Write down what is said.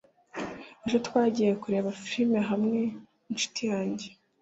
ejo twagiye kureba film hamwe ninshuti yanjye